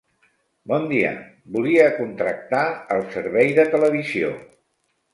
Bon dia, volia contractar el servei de televisió.